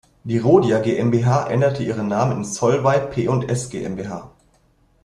Die Rhodia GmbH änderte ihren Namen in Solvay P&S GmbH.